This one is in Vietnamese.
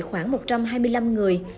khoảng một trăm hai mươi năm người